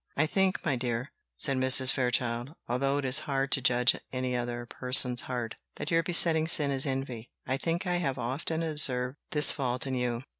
"I think, my dear," said Mrs. Fairchild, "although it is hard to judge any other person's heart, that your besetting sin is envy. I think I have often observed this fault in you.